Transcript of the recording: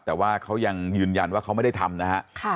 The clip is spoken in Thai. แต่ว่าเขายังยืนยันว่าเขาไม่ได้ทำนะฮะ